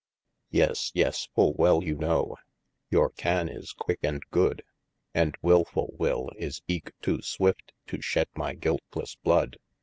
Yes yes, full well you know, your can is quicke and good: And wilfull will is eke too swift, to shed my guiltlesse blood.